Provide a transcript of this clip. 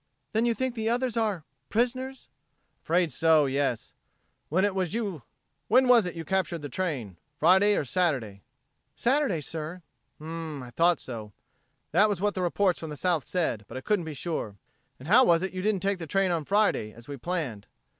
"Then you think the others are ... prisoners?" "Afraid so yes. When was it you captured the train Friday or Saturday?" "Saturday, sir." "Hm m m, I thought so. That was what the reports from the South said, but I couldn't be sure. And how was it you didn't take the train on Friday, as we planned?